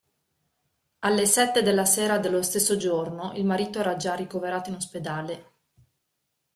Alle sette della sera dello stesso giorno il marito era già ricoverato in ospedale.